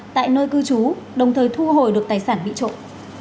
tại nơi cư trú đồng thời thu hồi được tài sản bị trộm